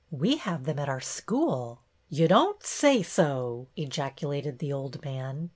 We have them at our school." "Ye don't say so!" ejaculated the old man.